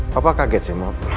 papa kaget sih no